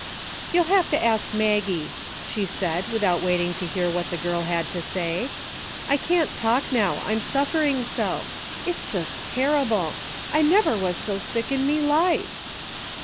" You'll have to ask Maggie," she said with out waiting to hear what the girl had to say. " I can't talk now, I'm suffering so. It's just terrible. I never was so sick in me life."